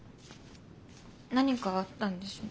何かあったんでしょ？